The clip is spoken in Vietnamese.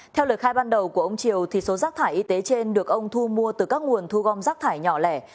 theo lời khai ban đầu của ông triều số rác thải y tế trên được ông thu mua từ các nguồn thu gom rác thải nhỏ lẻ